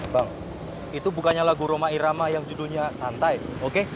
bang itu bukannya lagu roma irama yang judulnya santai oke